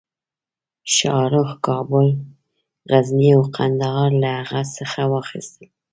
شاهرخ کابل، غزني او قندهار له هغه څخه واخیستل.